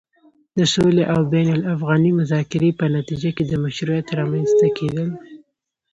د سولې او بين الافغاني مذاکرې په نتيجه کې د مشروعيت رامنځته کېدل